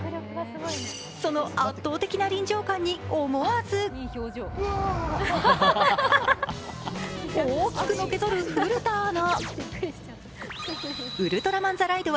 その圧倒的な臨場感に思わず大きくのけぞる古田アナ。